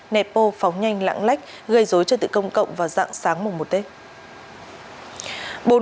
nẹp ô phóng nhanh lãng lách gây dối trật tự công cộng và dạng sáng mùa một tết